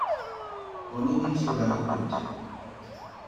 އޮނިވިހި ފުރައިގެ ކުއްޖެއް